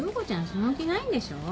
その気ないんでしょ？